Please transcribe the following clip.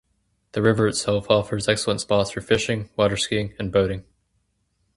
The river itself offers excellent spots for fishing, waterskiing and boating.